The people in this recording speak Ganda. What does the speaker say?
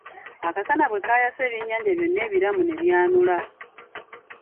Akasana bwe kaayase ebyennyanja byonna ebiramu ne byanula.